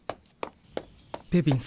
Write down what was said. ベビン様